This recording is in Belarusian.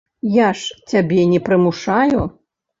Я ж цябе не прымушаю.